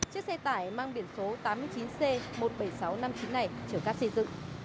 chiếc xe tải mang biển số tám mươi chín c một mươi bảy nghìn sáu trăm năm mươi chín này chở cát xây dựng